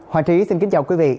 hoàng trí xin kính chào quý vị